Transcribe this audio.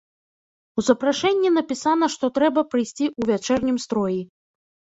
У запрашэнні напісана, што трэба прыйсці ў вячэрнім строі.